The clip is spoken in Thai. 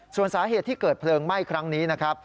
ส่วนสาเหตุที่เกิดเพลิงไหม้ครั้งนี้นะครับ